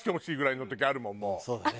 そうだね。